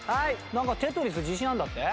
なんか『テトリス』自信あるんだって？